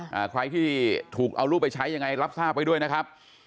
อ่าใครที่ถูกเอารูปไปใช้ยังไงรับทราบไว้ด้วยนะครับ